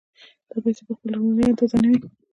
دا پیسې په خپله لومړنۍ اندازه نه وي